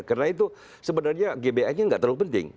karena itu sebenarnya gbi nya nggak terlalu penting